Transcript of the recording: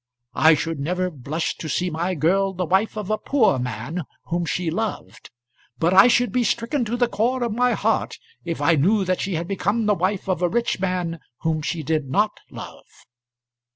I should never blush to see my girl the wife of a poor man whom she loved; but I should be stricken to the core of my heart if I knew that she had become the wife of a rich man whom she did not love."